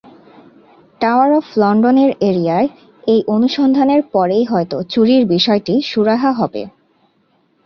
Tower of লন্ডনের এরিয়ার - এই অনুসন্ধানের পরেই হয়তো চুরির বিষয়টি সুরাহা হবে।